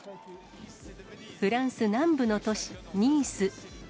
フランス南部の都市、ニース。